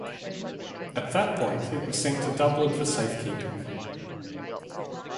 At that point it was sent to Dublin for safekeeping.